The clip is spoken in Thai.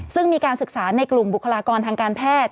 ซึ่งมีการศึกษาในกลุ่มบุคลากรทางการแพทย์